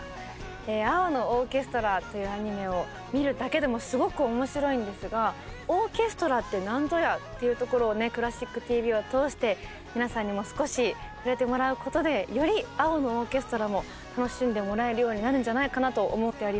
「青のオーケストラ」というアニメを見るだけでもすごく面白いんですがオーケストラって何ぞやっていうところをね「クラシックＴＶ」を通して皆さんにも少し触れてもらうことでより「青のオーケストラ」も楽しんでもらえるようになるんじゃないかなと思っております。